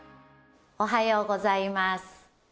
おはようございます。